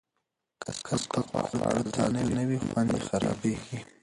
که سپک خواړه تازه نه وي، خوند یې خرابېږي.